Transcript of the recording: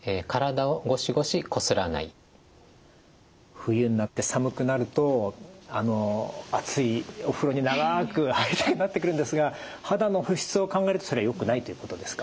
冬になって寒くなると熱いお風呂に長く入りたくなってくるんですが肌の保湿を考えるとそれはよくないということですか？